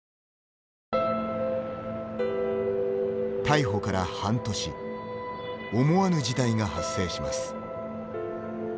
逮捕から半年思わぬ事態が発生します。